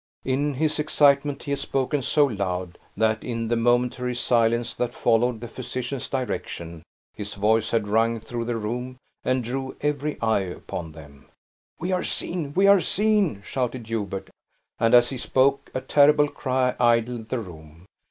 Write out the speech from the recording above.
In his excitement he had spoken so loud, that in the momentary silence that followed the physician's direction, his voice had rung through the room, and drew every eye upon them. "We are seen, we are seen!" shouted Hubert, and as he spoke, a terrible cry idled the room.